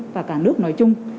và cả nước nói chung